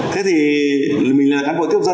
thế thì mình là cán bộ tiếp dân